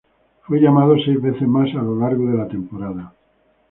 Fue llamado seis veces más a lo largo de la temporada.